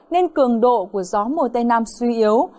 nên cường độ của gió mùa tây nam suy yếu